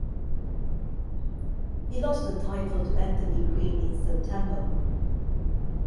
He lost the title to Anthony Greene in September.